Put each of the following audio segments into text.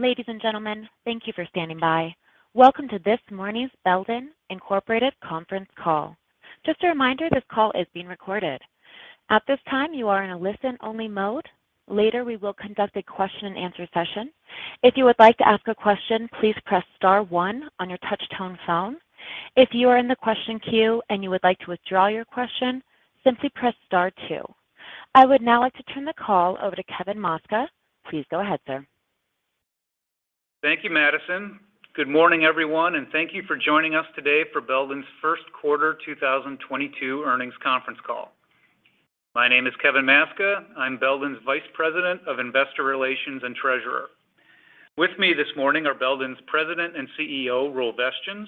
Ladies and gentlemen, thank you for standing by. Welcome to this morning's Belden Inc. conference call. Just a reminder, this call is being recorded. At this time, you are in a listen-only mode. Later, we will conduct a Q&A session. If you would like to ask a question, please press star one on your touch-tone phone. If you are in the question queue and you would like to withdraw your question, simply press star two. I would now like to turn the call over to Kevin Maczka. Please go ahead, sir. Thank you, Madison. Good morning, everyone, and thank you for joining us today for Belden's Q1 2022 earnings conference call. My name is Kevin Maczka. I'm Belden's Vice President of Investor Relations and Treasurer. With me this morning are Belden's President and CEO, Roel Vestjens,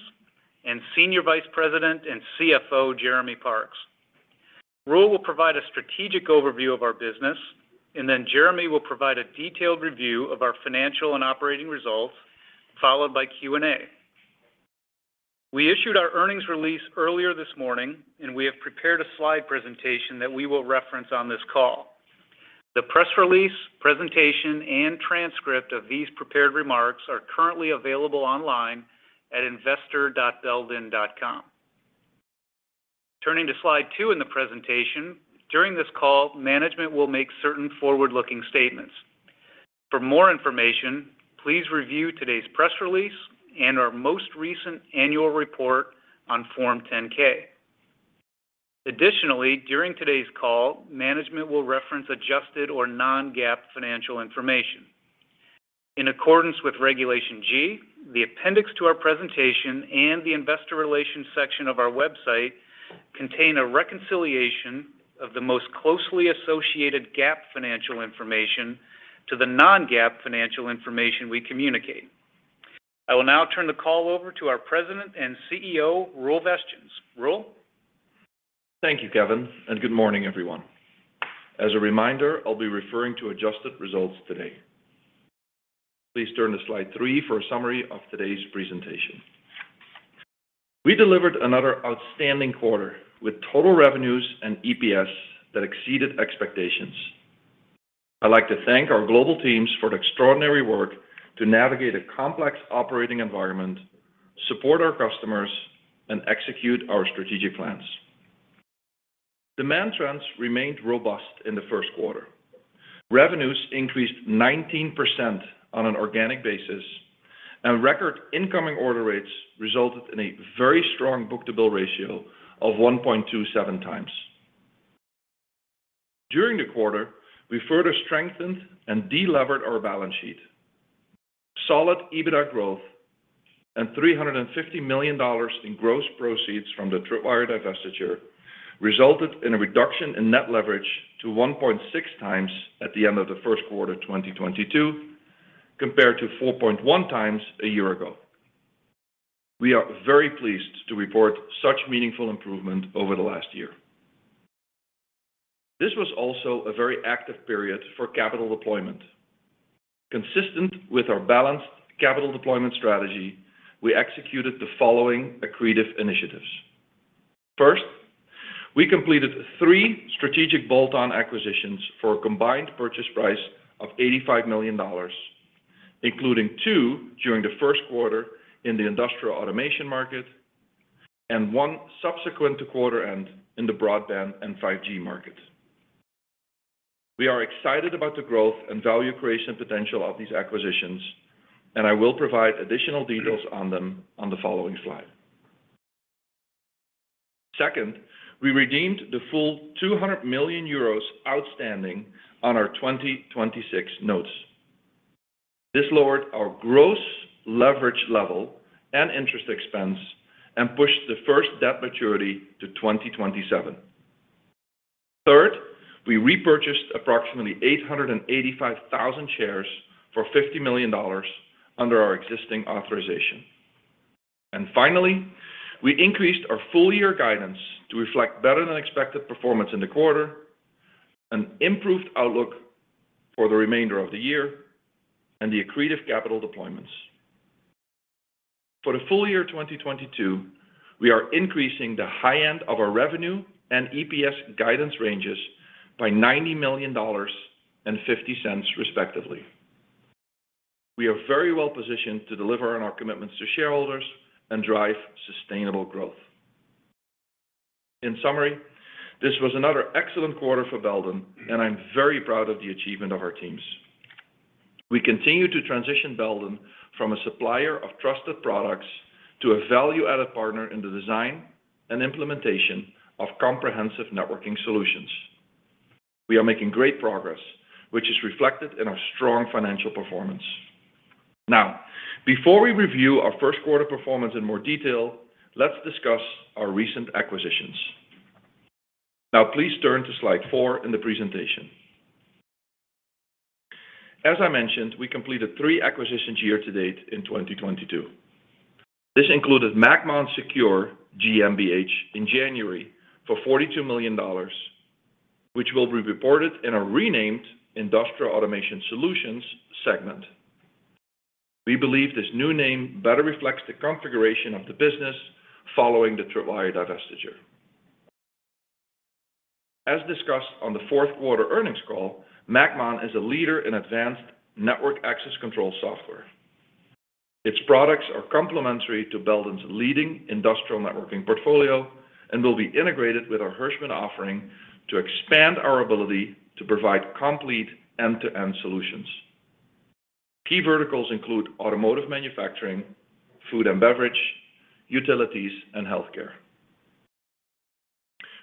and Senior Vice President and CFO, Jeremy Parks. Roel will provide a strategic overview of our business, and then Jeremy will provide a detailed review of our financial and operating results, followed by Q&A. We issued our earnings release earlier this morning, and we have prepared a slide presentation that we will reference on this call. The press release, presentation, and transcript of these prepared remarks are currently available online at investor.belden.com. Turning to slide two in the presentation, during this call, management will make certain forward-looking statements. For more information, please review today's press release and our most recent annual report on Form 10-K. Additionally, during today's call, management will reference adjusted or non-GAAP financial information. In accordance with Regulation G, the appendix to our presentation and the investor relations section of our website contain a reconciliation of the most closely associated GAAP financial information to the non-GAAP financial information we communicate. I will now turn the call over to our President and CEO, Roel Vestjens. Roel? Thank you, Kevin, and good morning, everyone. As a reminder, I'll be referring to adjusted results today. Please turn to slide three for a summary of today's presentation. We delivered another outstanding quarter with total revenues and EPS that exceeded expectations. I'd like to thank our global teams for the extraordinary work to navigate a complex operating environment, support our customers, and execute our strategic plans. Demand trends remained robust in the Q1. Revenues increased 19% on an organic basis, and record incoming order rates resulted in a very strong book-to-bill ratio of 1.27x. During the quarter, we further strengthened and delevered our balance sheet. Solid EBITDA growth and $350 million in gross proceeds from the Tripwire divestiture resulted in a reduction in net leverage to 1.6x at the end of the Q1 of 2022, compared to 4.1x a year ago. We are very pleased to report such meaningful improvement over the last year. This was also a very active period for capital deployment. Consistent with our balanced capital deployment strategy, we executed the following accretive initiatives. First, we completed three strategic bolt-on acquisitions for a combined purchase price of $85 million, including two during the Q1 in the industrial automation market and one subsequent to quarter end in the broadband and 5G market. We are excited about the growth and value creation potential of these acquisitions, and I will provide additional details on them on the following slide. Second, we redeemed the full 200 million euros outstanding on our 2026 notes. This lowered our gross leverage level and interest expense and pushed the first debt maturity to 2027. Third, we repurchased approximately 885,000 shares for $50 million under our existing authorization. Finally, we increased our full-year guidance to reflect better-than-expected performance in the quarter, an improved outlook for the remainder of the year, and the accretive capital deployments. For the full year 2022, we are increasing the high end of our revenue and EPS guidance ranges by $90 million and $0.50, respectively. We are very well-positioned to deliver on our commitments to shareholders and drive sustainable growth. In summary, this was another excellent quarter for Belden, and I'm very proud of the achievement of our teams. We continue to transition Belden from a supplier of trusted products to a value-added partner in the design and implementation of comprehensive networking solutions. We are making great progress, which is reflected in our strong financial performance. Now, before we review our Q1 performance in more detail, let's discuss our recent acquisitions. Now please turn to slide four in the presentation. As I mentioned, we completed three acquisitions year to date in 2022. This included macmon secure GmbH in January for $42 million, which will be reported in a renamed Industrial Automation Solutions segment. We believe this new name better reflects the configuration of the business following the Tripwire divestiture. As discussed on the Q4 earnings call, macmon is a leader in advanced network access control software. Its products are complementary to Belden's leading industrial networking portfolio and will be integrated with our Hirschmann offering to expand our ability to provide complete end-to-end solutions. Key verticals include automotive manufacturing, food and beverage, utilities and healthcare.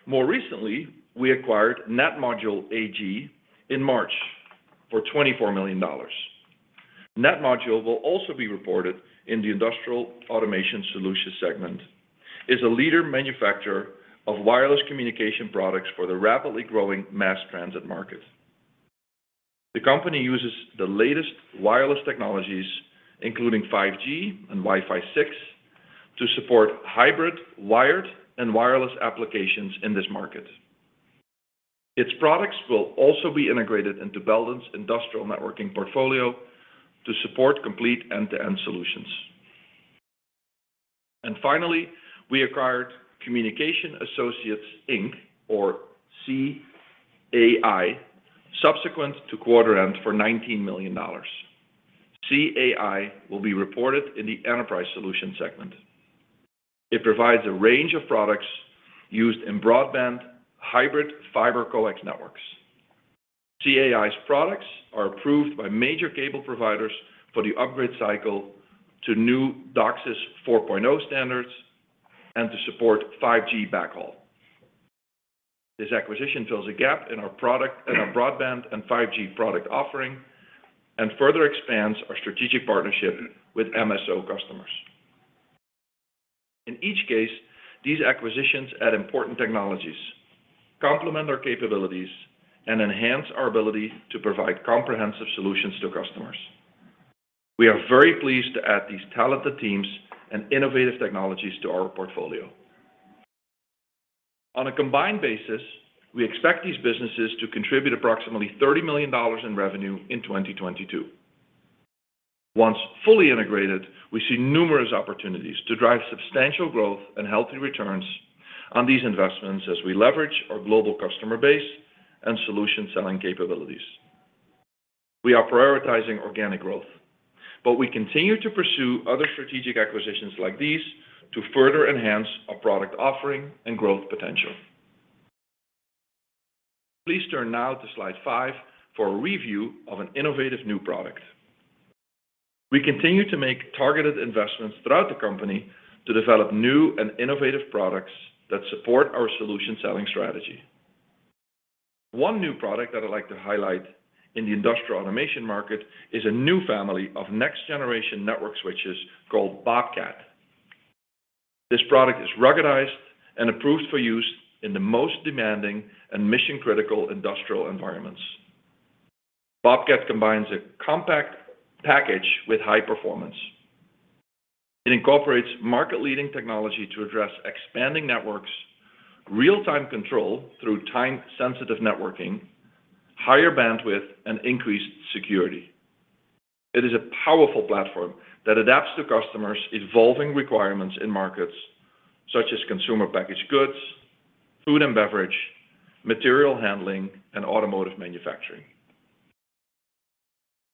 More recently, we acquired NetModule AG in March for $24 million. NetModule will also be reported in the Industrial Automation Solutions segment, is a leading manufacturer of wireless communication products for the rapidly growing mass transit market. The company uses the latest wireless technologies, including 5G and Wi-Fi 6, to support hybrid wired and wireless applications in this market. Its products will also be integrated into Belden's industrial networking portfolio to support complete end-to-end solutions. Finally, we acquired Communication Associates Inc., or CAI, subsequent to quarter end for $19 million. CAI will be reported in the Enterprise Solutions segment. It provides a range of products used in broadband Hybrid Fiber Coax networks. CAI's products are approved by major cable providers for the upgrade cycle to new DOCSIS 4.0 standards and to support 5G backhaul. This acquisition fills a gap in our broadband and 5G product offering and further expands our strategic partnership with MSO customers. In each case, these acquisitions add important technologies, complement our capabilities, and enhance our ability to provide comprehensive solutions to customers. We are very pleased to add these talented teams and innovative technologies to our portfolio. On a combined basis, we expect these businesses to contribute approximately $30 million in revenue in 2022. Once fully integrated, we see numerous opportunities to drive substantial growth and healthy returns on these investments as we leverage our global customer base and solution selling capabilities. We are prioritizing organic growth, but we continue to pursue other strategic acquisitions like these to further enhance our product offering and growth potential. Please turn now to slide five for a review of an innovative new product. We continue to make targeted investments throughout the company to develop new and innovative products that support our solution selling strategy. One new product that I'd like to highlight in the industrial automation market is a new family of next-generation network switches called Bobcat. This product is ruggedized and approved for use in the most demanding and mission-critical industrial environments. Bobcat combines a compact package with high performance. It incorporates market-leading technology to address expanding networks, real-time control through Time-Sensitive Networking, higher bandwidth, and increased security. It is a powerful platform that adapts to customers' evolving requirements in markets such as consumer packaged goods, food and beverage, material handling, and automotive manufacturing.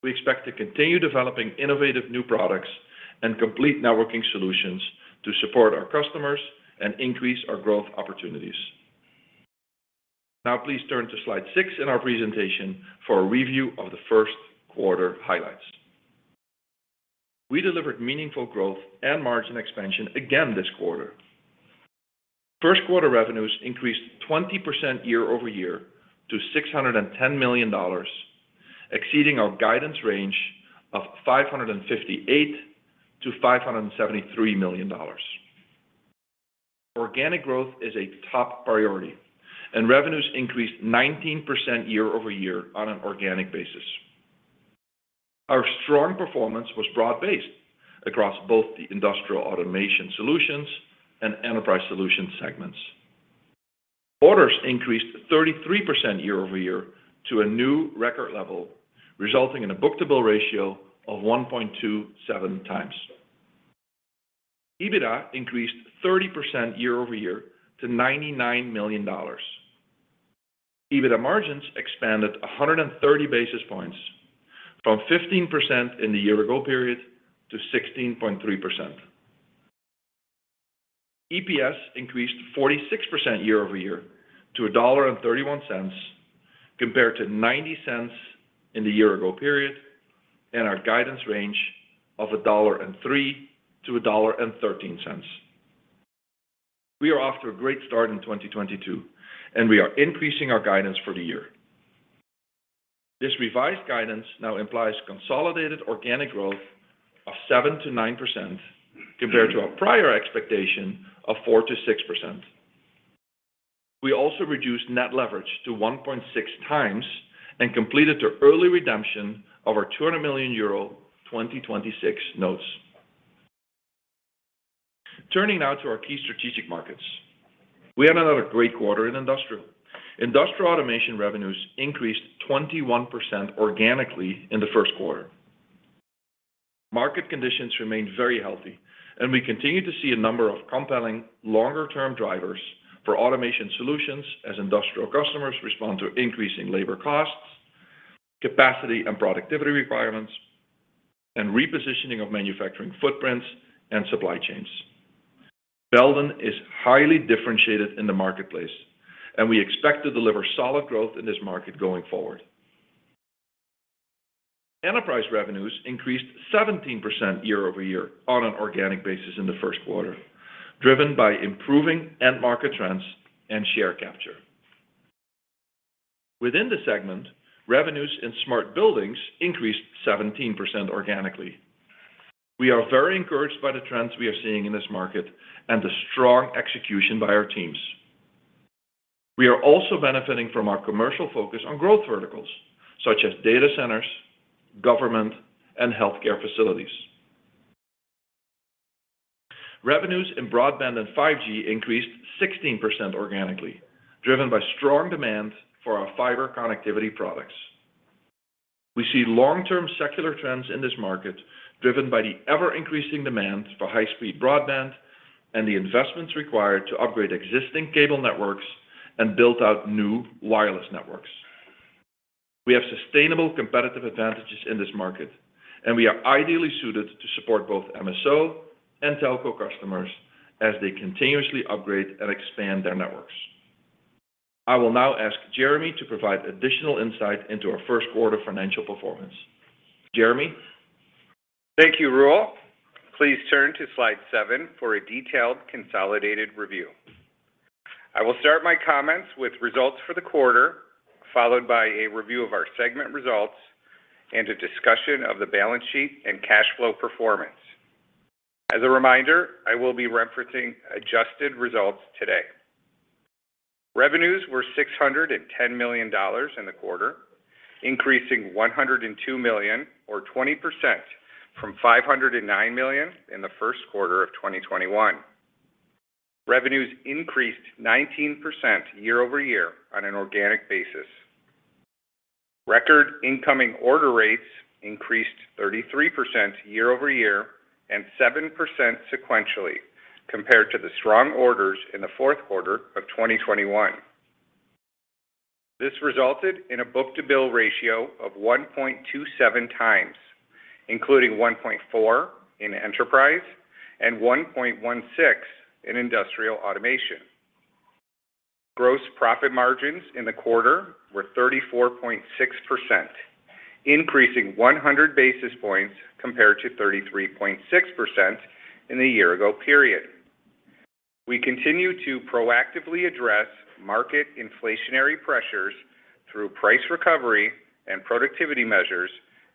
We expect to continue developing innovative new products and complete networking solutions to support our customers and increase our growth opportunities. Now please turn to slide six in our presentation for a review of the Q1 highlights. We delivered meaningful growth and margin expansion again this quarter. Q1 revenues increased 20% year-over-year to $610 million, exceeding our guidance range of $558 million-$573 million. Organic growth is a top priority, and revenues increased 19% year-over-year on an organic basis. Our strong performance was broad-based across both the Industrial Automation Solutions and Enterprise Solutions segments. Orders increased 33% year-over-year to a new record level, resulting in a book-to-bill ratio of 1.27x. EBITDA increased 30% year-over-year to $99 million. EBITDA margins expanded 130 basis points from 15% in the year ago period to 16.3%. EPS increased 46% year-over-year to $1.31, compared to $0.90 in the year ago period and our guidance range of $1.03-$1.13. We are off to a great start in 2022, and we are increasing our guidance for the year. This revised guidance now implies consolidated organic growth of 7%-9% compared to our prior expectation of 4%-6%. We also reduced net leverage to 1.6x and completed the early redemption of our 200 million euro 2026 notes. Turning now to our key strategic markets. We had another great quarter in industrial. Industrial automation revenues increased 21% organically in theQ1. Market conditions remain very healthy, and we continue to see a number of compelling longer-term drivers for automation solutions as industrial customers respond to increasing labor costs, capacity and productivity requirements, and repositioning of manufacturing footprints and supply chains. Belden is highly differentiated in the marketplace, and we expect to deliver solid growth in this market going forward. Enterprise revenues increased 17% year-over-year on an organic basis in the Q1, driven by improving end market trends and share capture. Within the segment, revenues in smart buildings increased 17% organically. We are very encouraged by the trends we are seeing in this market and the strong execution by our teams. We are also benefiting from our commercial focus on growth verticals, such as data centers, government, and healthcare facilities. Revenues in broadband and 5G increased 16% organically, driven by strong demand for our fiber connectivity products. We see long-term secular trends in this market, driven by the ever-increasing demand for high-speed broadband and the investments required to upgrade existing cable networks and build out new wireless networks. We have sustainable competitive advantages in this market, and we are ideally suited to support both MSO and Telco customers as they continuously upgrade and expand their networks. I will now ask Jeremy to provide additional insight into our Q1 financial performance. Jeremy? Thank you, Roel. Please turn to slide seven for a detailed consolidated review. I will start my comments with results for the quarter, followed by a review of our segment results and a discussion of the balance sheet and cash flow performance. As a reminder, I will be referencing adjusted results today. Revenues were $610 million in the quarter, increasing $102 million or 20% from $509 million in the Q1 of 2021. Revenues increased 19% year over year on an organic basis. Record incoming order rates increased 33% year over year and 7% sequentially compared to the strong orders in the Q4 of 2021. This resulted in a book-to-bill ratio of 1.27x, including 1.4x in enterprise and 1.16x in industrial automation. Gross profit margins in the quarter were 34.6%, increasing 100 basis points compared to 33.6% in the year ago period. We continue to proactively address market inflationary pressures through price recovery and productivity measures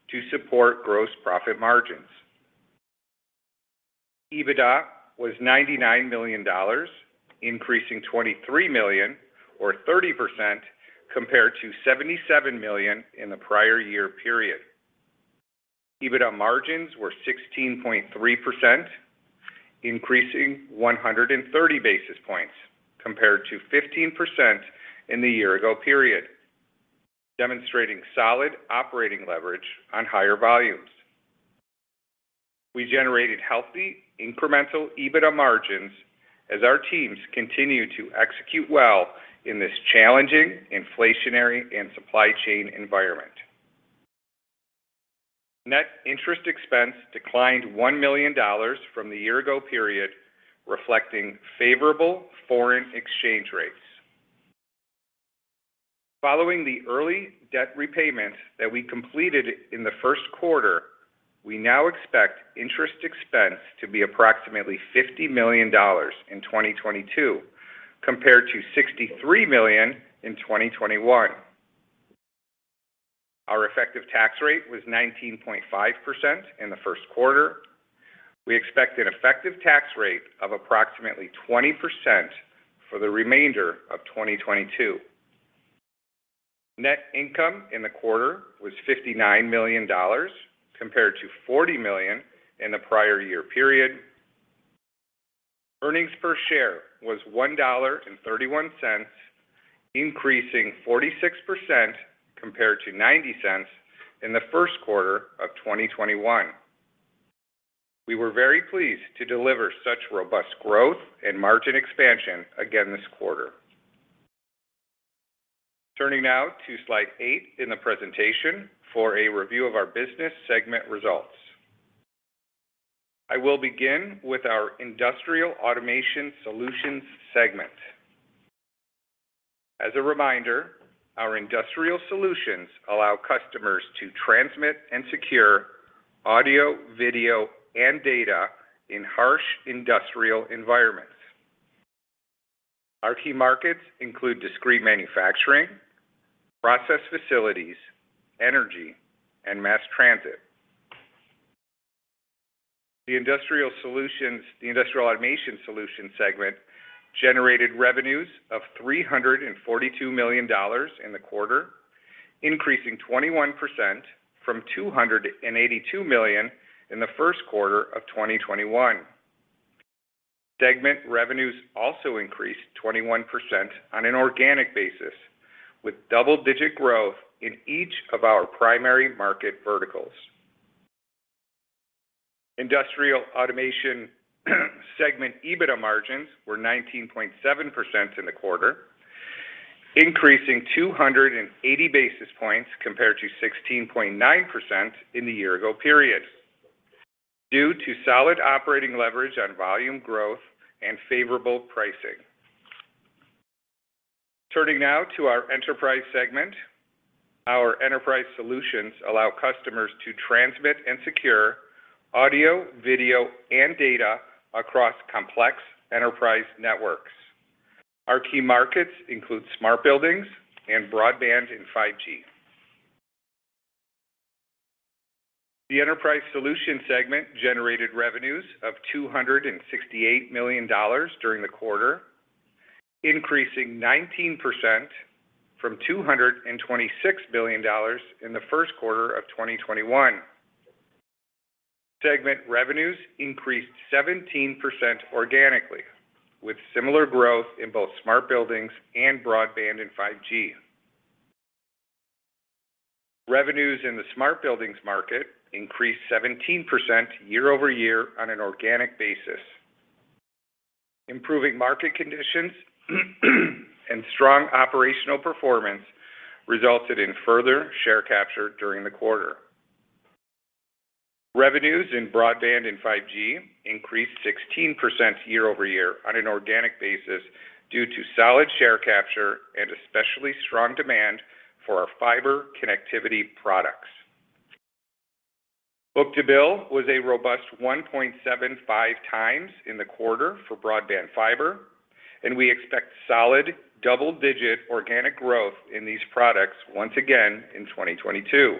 to support gross profit margins. EBITDA was $99 million, increasing $23 million or 30% compared to $77 million in the prior year period. EBITDA margins were 16.3%, increasing 130 basis points compared to 15% in the year ago period, demonstrating solid operating leverage on higher volumes. We generated healthy incremental EBITDA margins as our teams continue to execute well in this challenging inflationary and supply chain environment. Net interest expense declined $1 million from the year ago period, reflecting favorable foreign exchange rates. Following the early debt repayment that we completed in the Q1, we now expect interest expense to be approximately $50 million in 2022 compared to $63 million in 2021. Our effective tax rate was 19.5% in the Q1. We expect an effective tax rate of approximately 20% for the remainder of 2022. Net income in the quarter was $59 million compared to $40 million in the prior year period. Earnings per share was $1.31, increasing 46% compared to $0.90 in the Q1 of 2021. We were very pleased to deliver such robust growth and margin expansion again this quarter. Turning now to slide eight in the presentation for a review of our business segment results. I will begin with our Industrial Automation Solutions segment. As a reminder, our industrial solutions allow customers to transmit and secure audio, video, and data in harsh industrial environments. Our key markets include discrete manufacturing, process facilities, energy, and mass transit. The Industrial Automation Solutions segment generated revenues of $342 million in the quarter, increasing 21% from $282 million in the Q1 of 2021. Segment revenues also increased 21% on an organic basis, with double-digit growth in each of our primary market verticals. Industrial Automation segment EBITDA margins were 19.7% in the quarter, increasing 280 basis points compared to 16.9% in the year ago period, due to solid operating leverage on volume growth and favorable pricing. Turning now to our Enterprise Solutions segment. Our enterprise solutions allow customers to transmit and secure audio, video, and data across complex enterprise networks. Our key markets include smart buildings and broadband and 5G. The Enterprise Solutions segment generated revenues of $268 million during the quarter, increasing 19% from $226 million in the Q1 of 2021. Segment revenues increased 17% organically, with similar growth in both smart buildings and broadband and 5G. Revenues in the smart buildings market increased 17% year-over-year on an organic basis. Improving market conditions and strong operational performance resulted in further share capture during the quarter. Revenues in broadband and 5G increased 16% year-over-year on an organic basis due to solid share capture and especially strong demand for our fiber connectivity products. Book-to-bill was a robust 1.75x in the quarter for broadband fiber, and we expect solid double-digit organic growth in these products once again in 2022.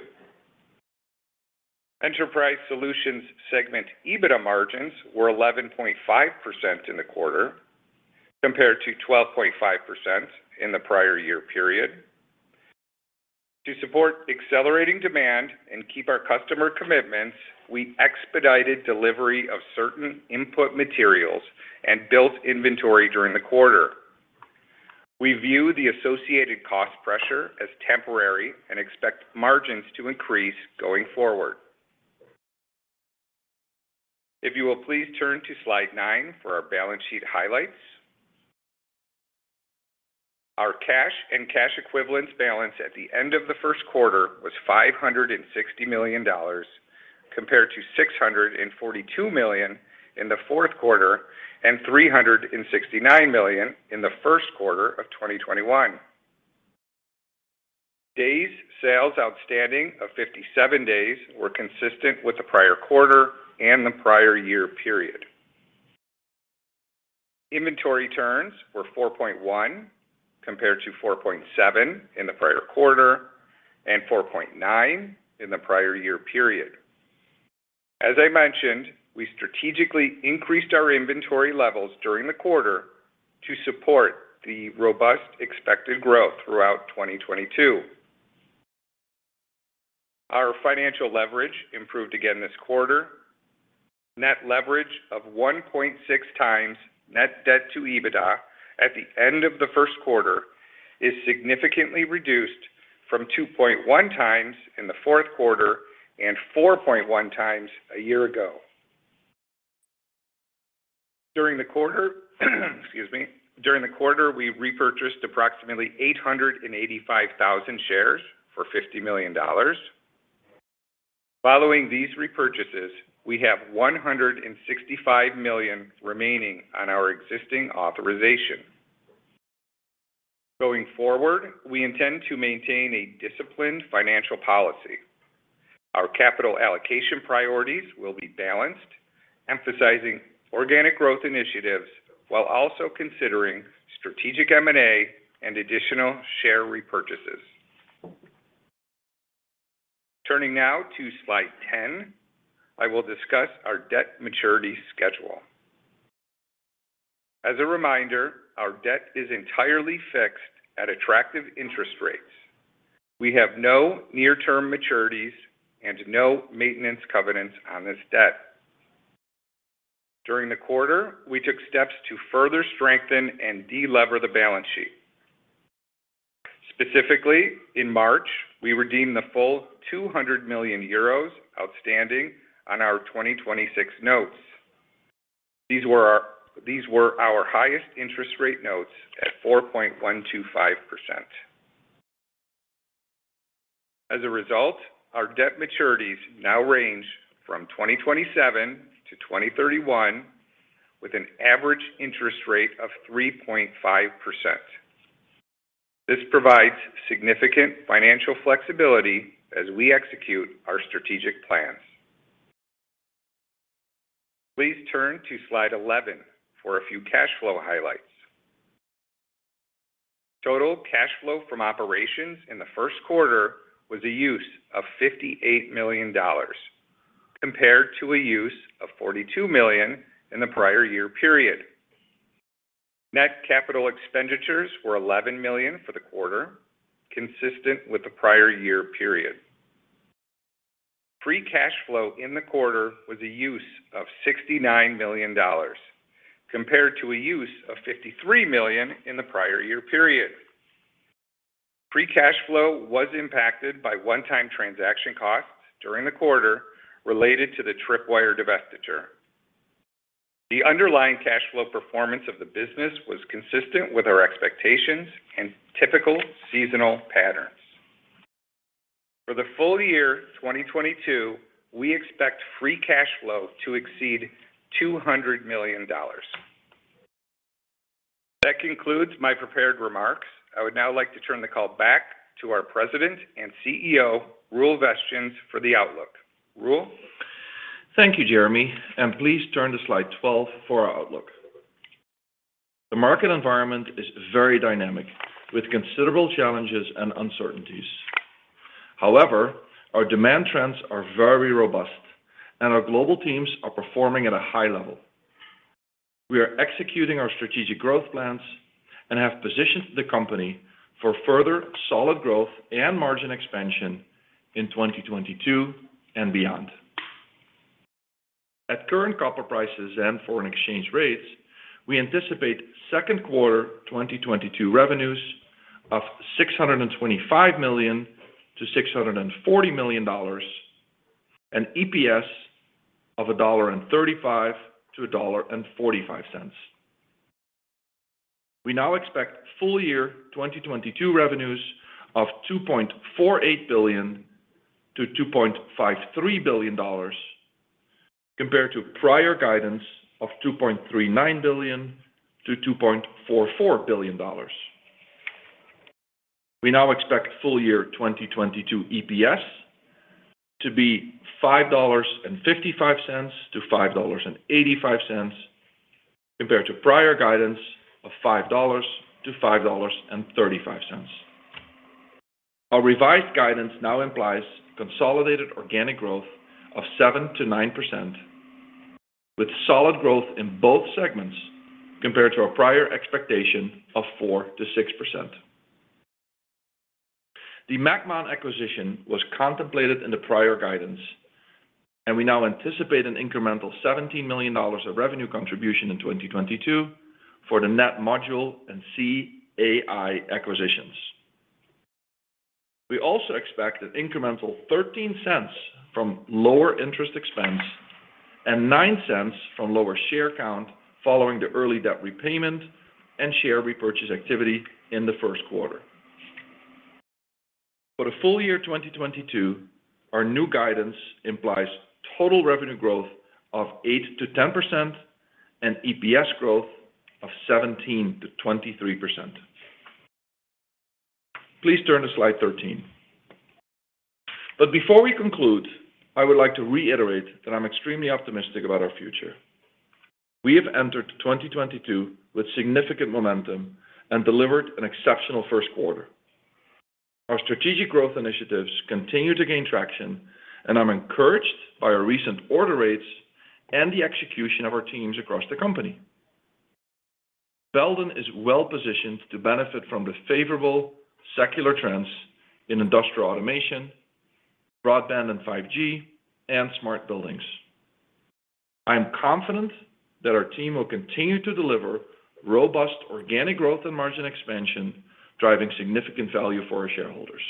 Enterprise Solutions segment EBITDA margins were 11.5% in the quarter, compared to 12.5% in the prior year period. To support accelerating demand and keep our customer commitments, we expedited delivery of certain input materials and built inventory during the quarter. We view the associated cost pressure as temporary and expect margins to increase going forward. If you will please turn to slide nine for our balance sheet highlights. Our cash and cash equivalents balance at the end of the Q1 was $560 million, compared to $642 million in the Q4 and $369 million in the Q1 of 2021. Days sales outstanding of 57 days were consistent with the prior quarter and the prior year period. Inventory turns were 4.1x, compared to 4.7x in the prior quarter and 4.9x in the prior year period. As I mentioned, we strategically increased our inventory levels during the quarter to support the robust expected growth throughout 2022. Our financial leverage improved again this quarter. Net leverage of 1.6x net debt to EBITDA at the end of the Q1 is significantly reduced from 2.1x in the Q4 and 4.1x a year ago. During the quarter, we repurchased approximately 885,000 shares for $50 million. Following these repurchases, we have $165 million remaining on our existing authorization. Going forward, we intend to maintain a disciplined financial policy. Our capital allocation priorities will be balanced, emphasizing organic growth initiatives while also considering strategic M&A and additional share repurchases. Turning now to slide 10, I will discuss our debt maturity schedule. As a reminder, our debt is entirely fixed at attractive interest rates. We have no near-term maturities and no maintenance covenants on this debt. During the quarter, we took steps to further strengthen and de-lever the balance sheet. Specifically, in March, we redeemed the full 200 million euros outstanding on our 2026 notes. These were our highest interest rate notes at 4.125%. As a result, our debt maturities now range from 2027-2031, with an average interest rate of 3.5%. This provides significant financial flexibility as we execute our strategic plans. Please turn to slide 11 for a few cash flow highlights. Total cash flow from operations in the Q1 was a use of $58 million, compared to a use of $42 million in the prior year period. Net capital expenditures were $11 million for the quarter, consistent with the prior year period. Free cash flow in the quarter was a use of $69 million compared to a use of $53 million in the prior year period. Free cash flow was impacted by one-time transaction costs during the quarter related to the Tripwire divestiture. The underlying cash flow performance of the business was consistent with our expectations and typical seasonal patterns. For the full year 2022, we expect free cash flow to exceed $200 million. That concludes my prepared remarks. I would now like to turn the call back to our President and CEO, Roel Vestjens, for the outlook. Roel? Thank you, Jeremy, and please turn to slide 12 for our outlook. The market environment is very dynamic with considerable challenges and uncertainties. However, our demand trends are very robust, and our global teams are performing at a high level. We are executing our strategic growth plans and have positioned the company for further solid growth and margin expansion in 2022 and beyond. At current copper prices and foreign exchange rates, we anticipate second quarter 2022 revenues of $625 million-$640 million, and EPS of $1.35-$1.45. We now expect full year 2022 revenues of $2.48 billion-$2.53 billion, compared to prior guidance of $2.39 billion-$2.44 billion. We now expect full year 2022 EPS to be $5.55-$5.85, compared to prior guidance of $5.00-$5.35. Our revised guidance now implies consolidated organic growth of 7%-9%, with solid growth in both segments compared to our prior expectation of 4%-6%. The macmon acquisition was contemplated in the prior guidance, and we now anticipate an incremental $17 million of revenue contribution in 2022 for the NetModule and CAI acquisitions. We also expect an incremental $0.13 from lower interest expense and $0.09 from lower share count following the early debt repayment and share repurchase activity in the Q1. For the full year 2022, our new guidance implies total revenue growth of 8%-10% and EPS growth of 17%-23%. Please turn to slide 13. Before we conclude, I would like to reiterate that I'm extremely optimistic about our future. We have entered 2022 with significant momentum and delivered an exceptional Q1. Our strategic growth initiatives continue to gain traction, and I'm encouraged by our recent order rates and the execution of our teams across the company. Belden is well-positioned to benefit from the favorable secular trends in industrial automation, broadband and 5G, and smart buildings. I am confident that our team will continue to deliver robust organic growth and margin expansion, driving significant value for our shareholders.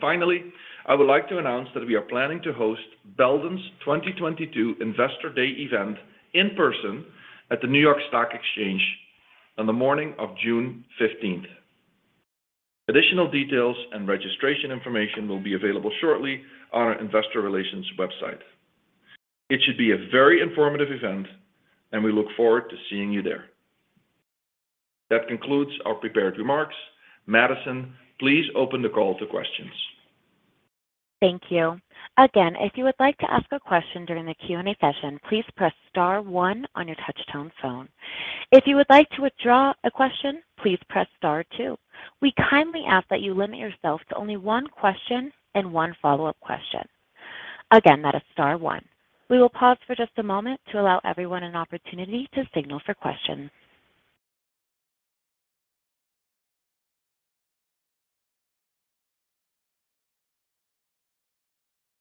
Finally, I would like to announce that we are planning to host Belden's 2022 Investor Day event in person at the New York Stock Exchange on the morning of June 15th. Additional details and registration information will be available shortly on our investor relations website. It should be a very informative event, and we look forward to seeing you there. That concludes our prepared remarks. Madison, please open the call to questions. Thank you. Again, if you would like to ask a question during the Q&A session, please press star one on your touch-tone phone. If you would like to withdraw a question, please press star two. We kindly ask that you limit yourself to only one question and one follow-up question. Again, that is star one. We will pause for just a moment to allow everyone an opportunity to signal for questions.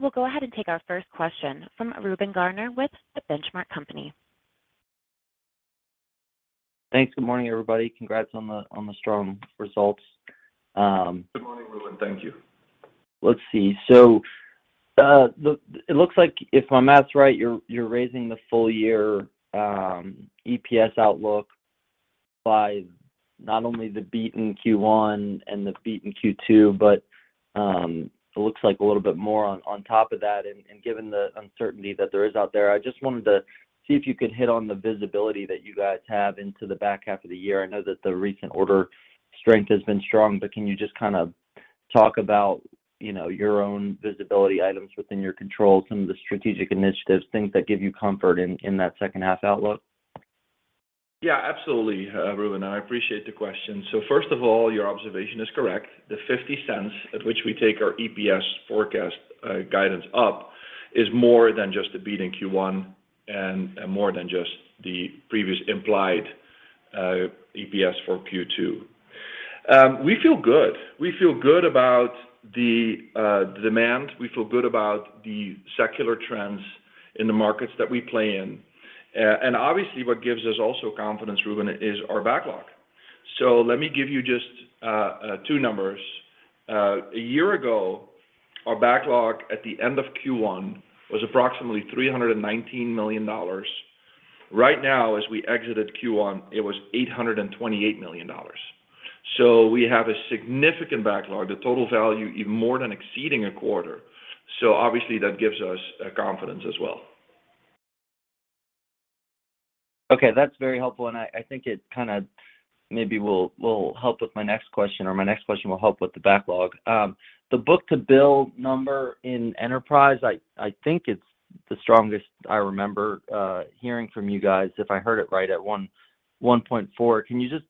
We'll go ahead and take our first question from Reuben Garner with The Benchmark Company. Thanks. Good morning, everybody. Congrats on the strong results. Good morning, Reuben. Thank you. Let's see. It looks like if my math's right, you're raising the full year EPS outlook by not only the beat in Q1 and the beat in Q2, but it looks like a little bit more on top of that. Given the uncertainty that there is out there, I just wanted to see if you could hit on the visibility that you guys have into the back half of the year. I know that the recent order strength has been strong, but can you just kind of talk about, you know, your own visibility items within your control, some of the strategic initiatives, things that give you comfort in that second-half outlook? Yeah, absolutely, Reuben, I appreciate the question. First of all, your observation is correct. The $0.50 at which we take our EPS forecast guidance up is more than just the beat in Q1 and more than just the previous implied EPS for Q2. We feel good. We feel good about the demand. We feel good about the secular trends in the markets that we play in. Obviously what gives us also confidence, Reuben, is our backlog. Let me give you just two numbers. A year ago, our backlog at the end of Q1 was approximately $319 million. Right now, as we exited Q1, it was $828 million. We have a significant backlog, the total value even more than exceeding a quarter. Obviously that gives us confidence as well. Okay, that's very helpful. I think it kind of maybe will help with my next question, or my next question will help with the backlog. The book-to-bill number in Enterprise, I think it's the strongest I remember hearing from you guys, if I heard it right at 1.4x. Can you just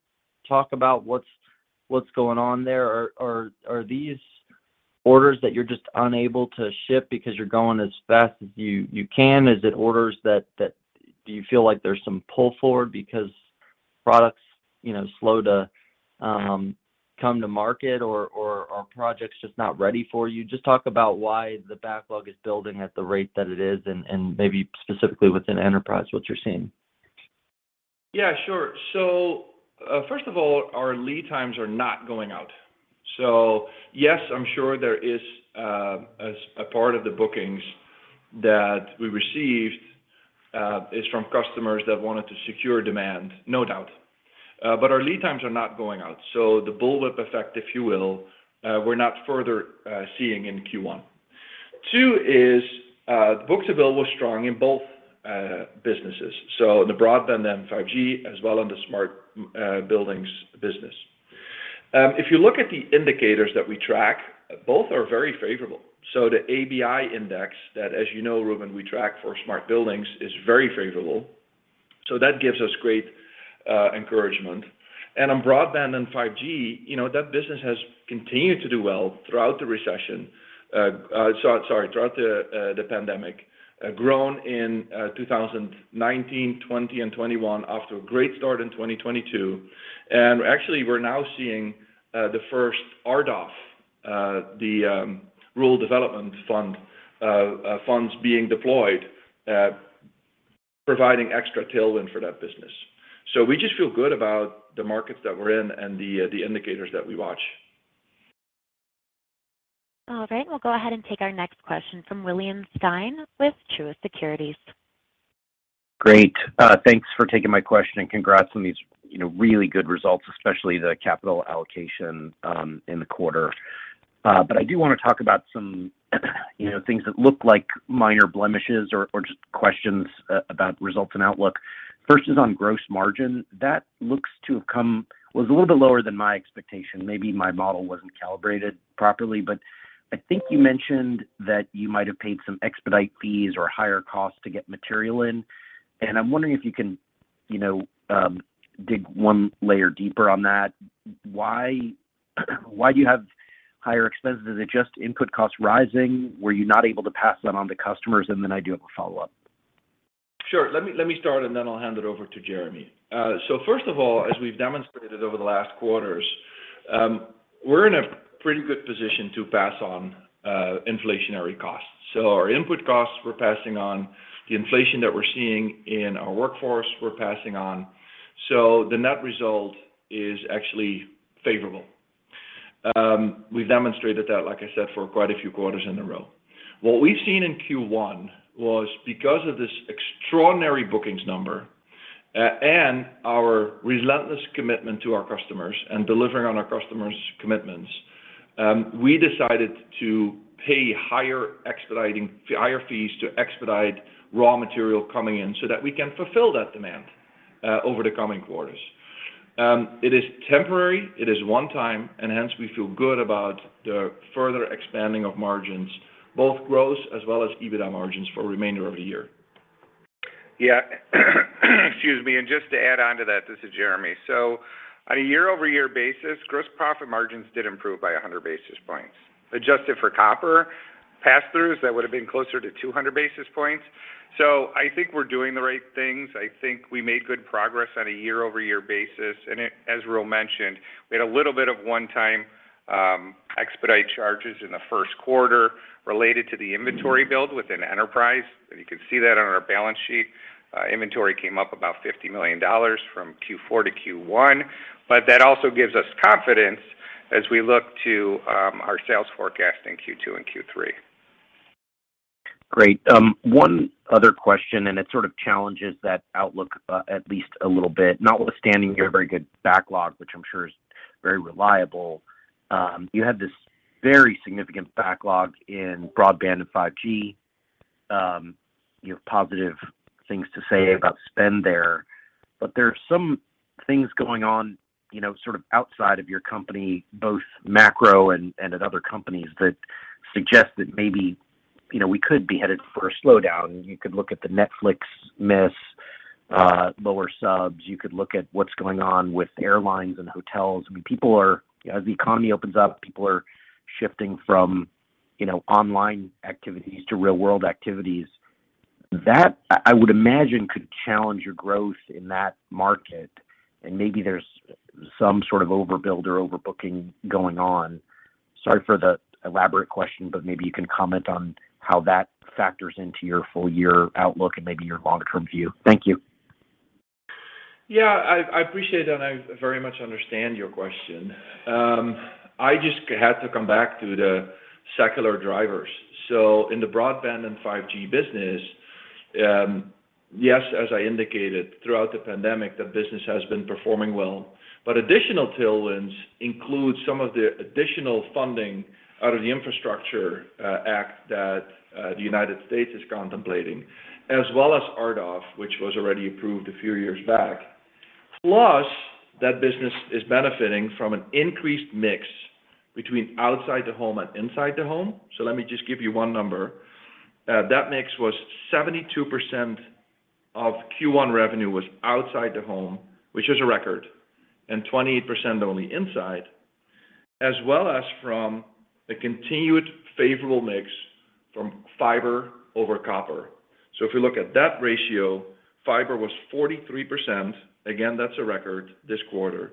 talk about what's going on there? Are these orders that you're just unable to ship because you're going as fast as you can? Is it orders? Do you feel like there's some pull forward because products, you know, slow to come to market or are projects just not ready for you? Just talk about why the backlog is building at the rate that it is and maybe specifically within Enterprise, what you're seeing. Yeah, sure. First of all, our lead times are not going out. Yes, I'm sure there is a part of the bookings that we received is from customers that wanted to secure demand, no doubt. Our lead times are not going out. The bullwhip effect, if you will, we're not further seeing in Q1. Two is the book-to-bill was strong in both businesses. In the broadband and 5G as well in the smart buildings business. If you look at the indicators that we track, both are very favorable. The ABI index that, as you know, Reuben, we track for smart buildings is very favorable. That gives us great encouragement. On broadband and 5G, you know, that business has continued to do well throughout the recession. Sorry, throughout the pandemic. Grown in 2019, 2020, and 2021 after a great start in 2022. Actually we're now seeing the first RDOF, the Rural Digital Opportunity Fund, funds being deployed, providing extra tailwind for that business. We just feel good about the markets that we're in and the indicators that we watch. All right. We'll go ahead and take our next question from William Stein with Truist Securities. Great. Thanks for taking my question and congrats on these, you know, really good results, especially the capital allocation, in the quarter. I do wanna talk about some, you know, things that look like minor blemishes or just questions about results and outlook. First is on gross margin. That was a little bit lower than my expectation. Maybe my model wasn't calibrated properly, but I think you mentioned that you might have paid some expedite fees or higher costs to get material in, and I'm wondering if you can, you know, dig one layer deeper on that. Why do you have higher expenses? Is it just input costs rising? Were you not able to pass that on to customers? Then I do have a follow-up. Sure. Let me start, and then I'll hand it over to Jeremy. First of all, as we've demonstrated over the last quarters, we're in a pretty good position to pass on inflationary costs. Our input costs we're passing on. The inflation that we're seeing in our workforce, we're passing on. The net result is actually favorable. We've demonstrated that, like I said, for quite a few quarters in a row. What we've seen in Q1 was because of this extraordinary bookings number and our relentless commitment to our customers and delivering on our customers' commitments, we decided to pay higher fees to expedite raw material coming in so that we can fulfill that demand over the coming quarters. It is temporary, it is one time, and hence we feel good about the further expanding of margins, both gross as well as EBITDA margins for remainder of the year. Yeah. Excuse me. Just to add on to that, this is Jeremy. On a year-over-year basis, gross profit margins did improve by 100 basis points. Adjusted for copper, pass-throughs, that would've been closer to 200 basis points. I think we're doing the right things. I think we made good progress on a year-over-year basis. As Roel mentioned, we had a little bit of one-time, expedite charges in the Q1 related to the inventory build within enterprise. You can see that on our balance sheet. Inventory came up about $50 million from Q4 to Q1, but that also gives us confidence as we look to, our sales forecast in Q2 and Q3. Great. One other question, and it sort of challenges that outlook, at least a little bit, notwithstanding your very good backlog, which I'm sure is very reliable. You had this very significant backlog in broadband and 5G. You have positive things to say about spend there, but there are some things going on, you know, sort of outside of your company, both macro and at other companies that suggest that maybe, you know, we could be headed for a slowdown. You could look at the Netflix miss, lower subs. You could look at what's going on with airlines and hotels. I mean, as the economy opens up, people are shifting from, you know, online activities to real-world activities. That I would imagine could challenge your growth in that market, and maybe there's some sort of overbuild or overbooking going on. Sorry for the elaborate question, but maybe you can comment on how that factors into your full year outlook and maybe your long-term view. Thank you. Yeah. I appreciate that, and I very much understand your question. I just had to come back to the secular drivers. In the broadband and 5G business, yes, as I indicated throughout the pandemic, the business has been performing well. Additional tailwinds include some of the additional funding out of the Infrastructure Act that the United States is contemplating, as well as RDOF, which was already approved a few years back. That business is benefiting from an increased mix between outside the home and inside the home. Let me just give you one number. That mix was 72% of Q1 revenue was outside the home, which is a record, and 28% only inside, as well as from the continued favorable mix from fiber over copper. If we look at that ratio, fiber was 43%, again, that's a record this quarter,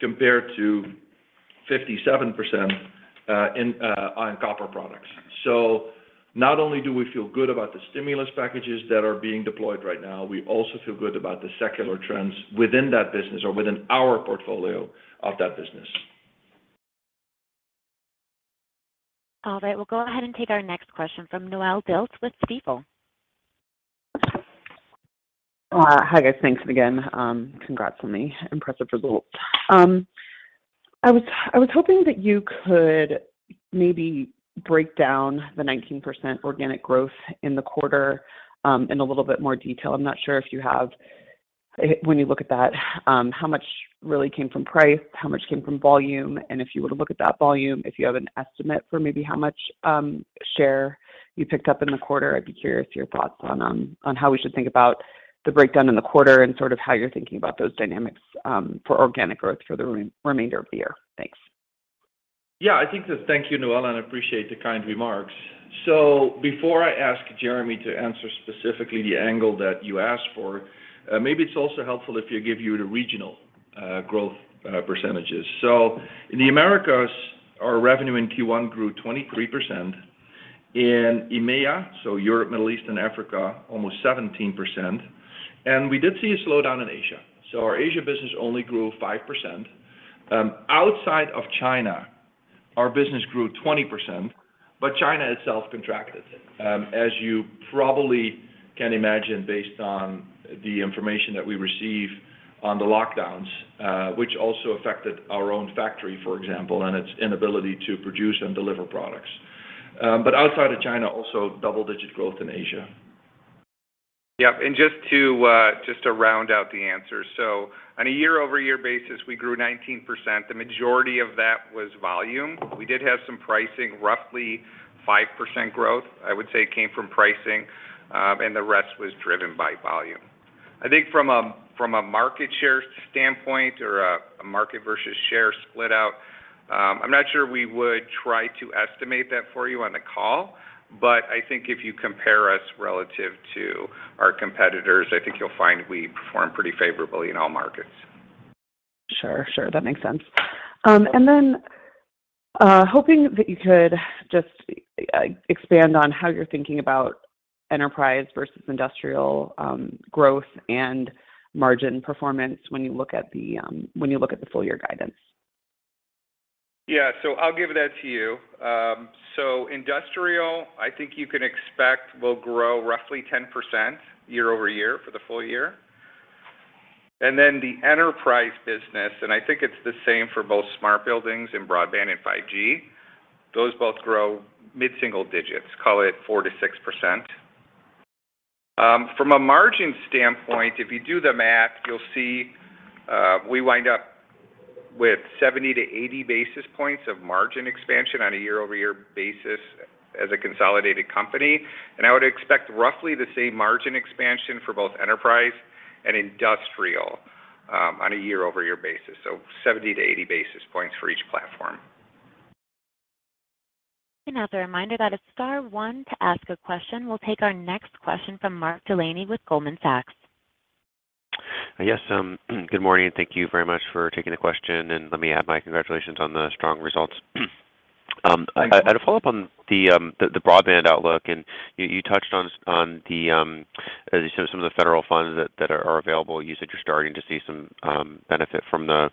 compared to 57% in on copper products. Not only do we feel good about the stimulus packages that are being deployed right now, we also feel good about the secular trends within that business or within our portfolio of that business. All right. We'll go ahead and take our next question from Noelle Dilts with Stifel. Hi, guys. Thanks again. Congrats on the impressive results. I was hoping that you could maybe break down the 19% organic growth in the quarter in a little bit more detail. I'm not sure if you have. When you look at that, how much really came from price? How much came from volume? And if you were to look at that volume, if you have an estimate for maybe how much share you picked up in the quarter, I'd be curious to your thoughts on how we should think about the breakdown in the quarter and sort of how you're thinking about those dynamics for organic growth for the remainder of the year. Thanks. Thank you, Noelle, and I appreciate the kind remarks. Before I ask Jeremy to answer specifically the angle that you asked for, maybe it's also helpful if I give you the regional growth percentages. In the Americas, our revenue in Q1 grew 23%. In EMEA, so Europe, Middle East, and Africa, almost 17%. We did see a slowdown in Asia. Our Asia business only grew 5%. Outside of China, our business grew 20%, but China itself contracted, as you probably can imagine based on the information that we receive on the lockdowns, which also affected our own factory, for example, and its inability to produce and deliver products. Outside of China, also double-digit growth in Asia. Yep. Just to round out the answer. On a year-over-year basis, we grew 19%. The majority of that was volume. We did have some pricing, roughly 5% growth, I would say came from pricing, and the rest was driven by volume. I think from a market share standpoint or a market versus share split out, I'm not sure we would try to estimate that for you on the call. I think if you compare us relative to our competitors, you'll find we perform pretty favorably in all markets. Sure. That makes sense. Hoping that you could just expand on how you're thinking about enterprise versus industrial growth and margin performance when you look at the full year guidance. Yeah. I'll give that to you. Industrial, I think you can expect will grow roughly 10% year-over-year for the full year. The enterprise business, I think it's the same for both smart buildings and broadband and 5G, those both grow mid-single digits, call it 4%-6%. From a margin standpoint, if you do the math, you'll see, we wind up with 70-80 basis points of margin expansion on a year-over-year basis as a consolidated company. I would expect roughly the same margin expansion for both enterprise and industrial, on a year-over-year basis. 70-80 basis points for each platform. As a reminder that it's star one to ask a question, we'll take our next question from Mark Delaney with Goldman Sachs. Yes. Good morning. Thank you very much for taking the question, and let me add my congratulations on the strong results. Thank you. A follow-up on the broadband outlook. You touched on some of the federal funds that are available. You said you're starting to see some benefit from the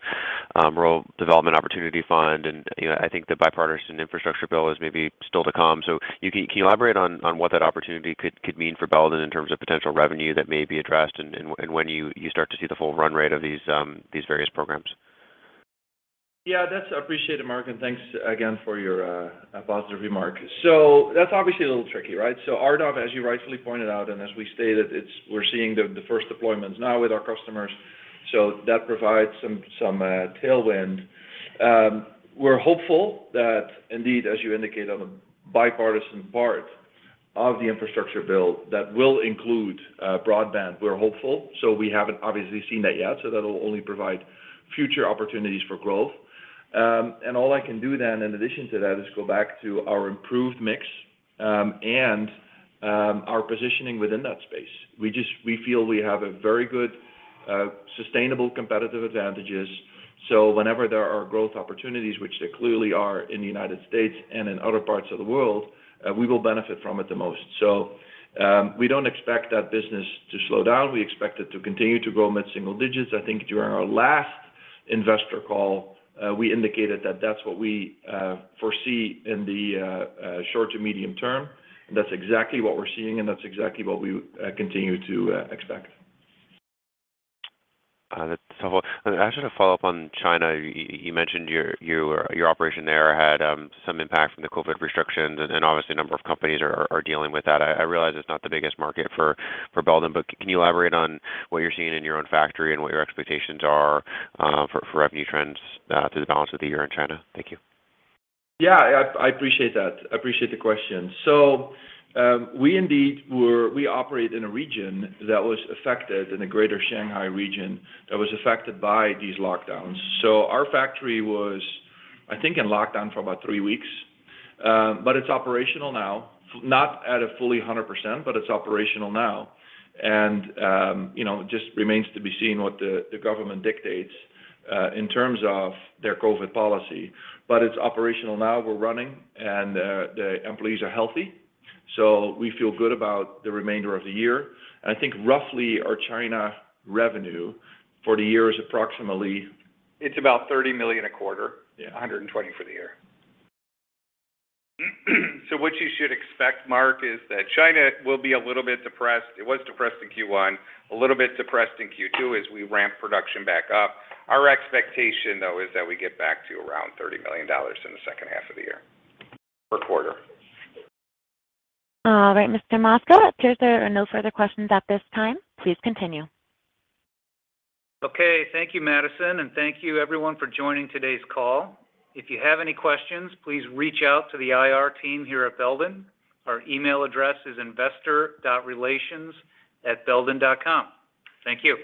Rural Digital Opportunity Fund. You know, I think the bipartisan infrastructure bill is maybe still to come. Can you elaborate on what that opportunity could mean for Belden in terms of potential revenue that may be addressed and when you start to see the full run rate of these various programs? Yeah, that's appreciated, Mark, and thanks again for your positive remarks. That's obviously a little tricky, right? RDOF, as you rightfully pointed out and as we stated, we're seeing the first deployments now with our customers. That provides some tailwind. We're hopeful that indeed, as you indicate, on the bipartisan part of the infrastructure bill that will include broadband. We're hopeful. We haven't obviously seen that yet, so that'll only provide future opportunities for growth. All I can do then in addition to that is go back to our improved mix and our positioning within that space. We feel we have a very good sustainable competitive advantages. Whenever there are growth opportunities, which there clearly are in the United States and in other parts of the world, we will benefit from it the most. We don't expect that business to slow down. We expect it to continue to grow mid-single digits. I think during our last investor call, we indicated that that's what we foresee in the short to medium term. That's exactly what we're seeing, and that's exactly what we continue to expect. That's helpful. Actually, to follow up on China, you mentioned your operation there had some impact from the COVID restrictions, and obviously a number of companies are dealing with that. I realize it's not the biggest market for Belden, but can you elaborate on what you're seeing in your own factory and what your expectations are for revenue trends through the balance of the year in China? Thank you. Yeah, I appreciate that. I appreciate the question. We operate in a region that was affected, in the Greater Shanghai region, that was affected by these lockdowns. Our factory was, I think, in lockdown for about three weeks. It's operational now. Not at a fully 100%, but it's operational now. You know, it just remains to be seen what the government dictates in terms of their COVID policy. It's operational now, we're running, and the employees are healthy, so we feel good about the remainder of the year. I think roughly our China revenue for the year is approximately It's about $30 million a quarter. Yeah. $120 for the year. What you should expect, Mark, is that China will be a little bit depressed. It was depressed in Q1, a little bit depressed in Q2 as we ramp production back up. Our expectation, though, is that we get back to around $30 million in the second half of the year per quarter. All right, Mr. Maczka. It appears there are no further questions at this time. Please continue. Okay. Thank you, Madison, and thank you everyone for joining today's call. If you have any questions, please reach out to the IR team here at Belden. Our email address is investor.relations@belden.com. Thank you.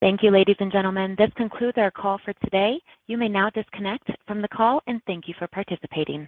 Thank you, ladies and gentlemen. This concludes our call for today. You may now disconnect from the call, and thank you for participating.